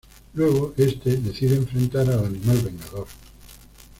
Luego este decide enfrentar al animal vengador.